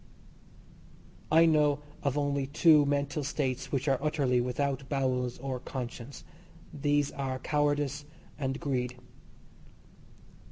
I know of only two mental states which are utterly without bowels or conscience. These are cowardice and greed.